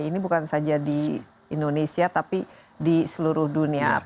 ini bukan saja di indonesia tapi di seluruh dunia